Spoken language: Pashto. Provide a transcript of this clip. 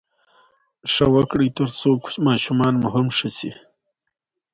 چایخانې په هر ځای کې شته.